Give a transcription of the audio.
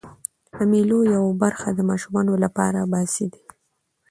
د مېلو یوه برخه د ماشومانو له پاره بازۍ دي.